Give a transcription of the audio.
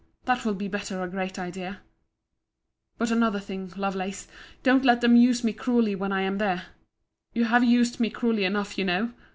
—That will be better a great deal. But, another thing, Lovelace: don't let them use me cruelly when I am there—you have used me cruelly enough, you know!